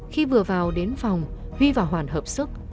khi vừa vào đến phòng huy và hoàn hợp sức